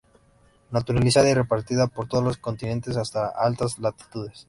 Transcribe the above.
Naturalizada y repartida por todos los continentes hasta altas latitudes.